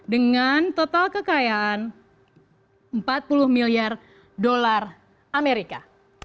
dengan total kekayaan empat puluh miliar dolar amerika